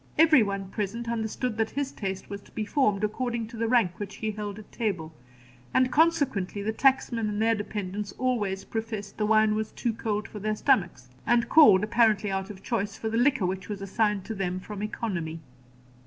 Every one present understood that his taste was to be formed according to the rank which he held at table; and, consequently, the tacksmen and their dependants always professed the wine was too cold for their stomachs, and called, apparently out of choice, for the liquor which was assigned to them from economy.